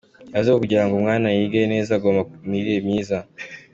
Yavuze ko kugira ngo umwana yige neza agomba imirire myiza , amashanyarazi na interineti.